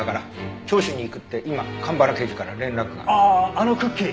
あのクッキー